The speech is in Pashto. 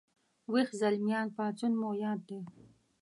ويښ زلميان پاڅون مو یاد دی